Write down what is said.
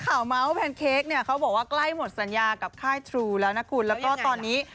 เราก็มีความสุขกับสิ่งที่เราได้ทำ